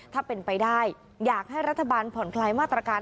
ถ้าเป็นไปได้อยากให้รัฐบาลผ่อนคลายมาตรการ